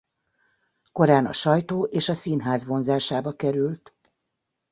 Korán a sajtó és a színház vonzásába került.